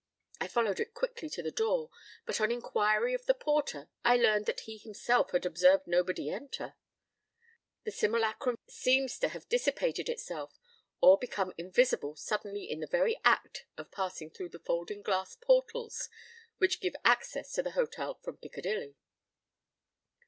I followed it quickly to the door, but on inquiry of the porter, I learned that he himself had observed nobody enter. The simulacrum seems to have dissipated itself or become invisible suddenly in the very act of passing through the folding glass portals which give access to the hotel from Piccadilly.